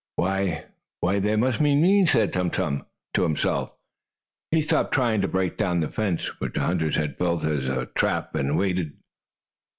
"Why why, they must mean me!" said Tum Tum to himself. He stopped trying to break down the fence, which the hunters had built as a trap, and waited.